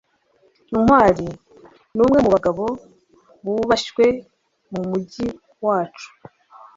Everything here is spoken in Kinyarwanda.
ntwali numwe mubagabo bubashywe mumujyi wacu